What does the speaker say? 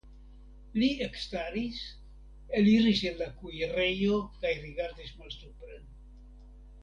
Li ekstaris, eliris el la kuirejo kaj rigardis malsupren.